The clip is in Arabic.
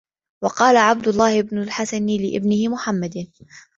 وَقَالَ عَبْدُ اللَّهِ بْنُ الْحَسَنِ لِابْنِهِ مُحَمَّدٍ